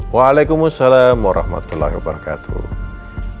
waalaikumsalam warahmatullahi wabarakatuh